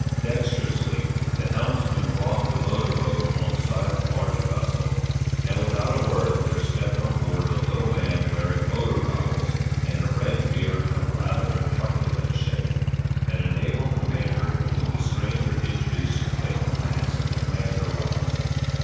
Dexterously the helmsman brought the motor boat alongside the larger vessel and, without a word there stepped on board a little man wearing motor goggles and a red beard of rather truculent shape, and a naval commander whom the stranger introduced to Quinton as Commander Ryles.